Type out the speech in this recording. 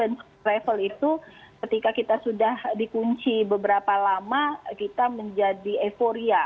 travel itu ketika kita sudah dikunci beberapa lama kita menjadi euforia